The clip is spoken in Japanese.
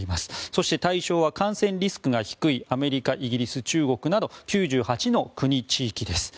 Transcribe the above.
そして、対象は感染リスクが低いアメリカ、イギリス、中国など９８の国・地域です。